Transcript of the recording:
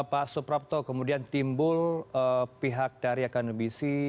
pak suprapto kemudian timbul pihak dari akademisi